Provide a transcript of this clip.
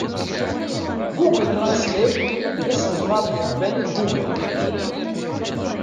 Google Translate d asenfaṛ n tkebbanit Google.